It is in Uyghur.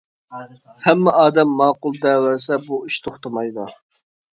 ھەممە ئادەم ماقۇل دەۋەرسە بۇ ئىش توختىمايدۇ.